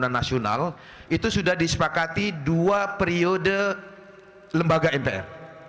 pembangunan nasional itu sudah disepakati dua periode lembaga mpr